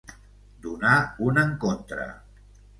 Donar un encontre.